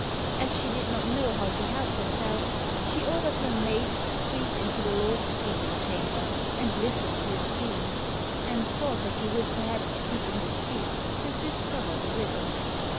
As she did not know how to help herself, she ordered her maid to creep into the lord's sleeping chamber, and listen to his dreams, and thought that he would perhaps speak in his sleep and discover the riddle.